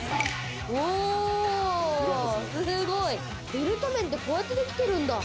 ベルト麺って、こうやってできてるんだ。